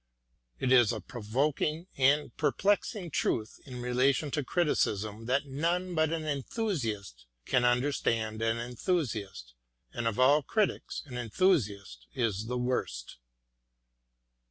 It is a provoking and perplexing truth in relation to criticism that none but an enthusiast can under stand an enthusiast, and of all critics an enthusiast is the worst.